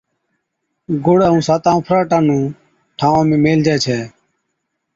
گُڙ ائُون ساتان اُڦراٽان نُون ٺانوان ۾ ميھلجي ڇَي